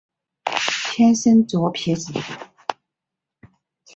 天生左撇子。